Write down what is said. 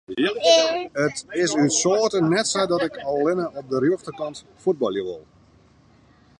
It is út soarte net sa dat ik allinne op de rjochterkant fuotbalje wol.